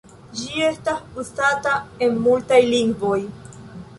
Ĝi estas uzata en multaj lingvoj.